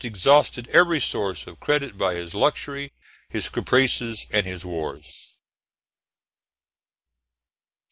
exhausted every source of credit by his luxury, his caprices, and his wars.